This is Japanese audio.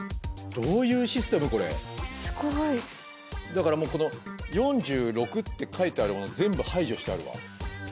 だからもうこの「４６」って書いてあるもの全部排除してあるわ。